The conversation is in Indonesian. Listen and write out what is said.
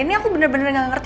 ini aku bener bener gak ngerti